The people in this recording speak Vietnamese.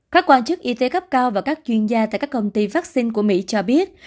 các quan chức y tế cấp cao và các chuyên gia tại các công ty phát sinh của mỹ cho biết